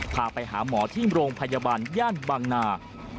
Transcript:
พาไปหาหมอที่โรงพยาบาลย่านบางนา